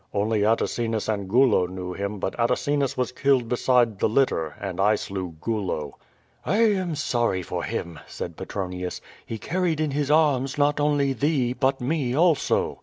"Only Atacinus and 6ulo knew him; but Atacinus was killed beside the litter, and I slew Gulo." "I am sorry for him," said Petronius. "He carried in his arms not only thee, but me also."